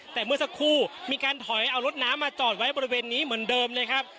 แต่เมื่อสักครู่มีการถอยเอารถน้ำมาจอดไว้บริเวณนี้เหมือนเดิมเลยครับ